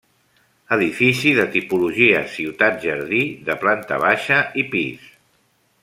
Edifici de tipologia ciutat-jardí de planta baixa i pis.